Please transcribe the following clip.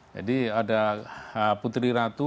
jadi ada putri ratu